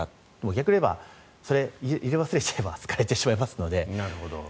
逆に言えば、入れ忘れれば使えてしまいますので。